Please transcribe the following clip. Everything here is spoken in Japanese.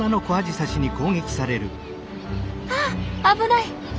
あ危ない！